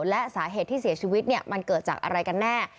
และสาเหตุที่เสียชีวิตมันเกิดจากอะไรกันแน่